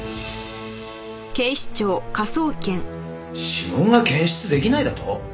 指紋が検出できないだと！？